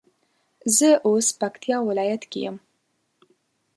زه اوس پکتيا ولايت کي يم